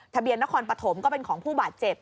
ทะเบียนนครปฐมก็เป็นของผู้บาดเจ็บ